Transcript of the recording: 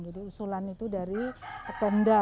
jadi usulan itu dari penda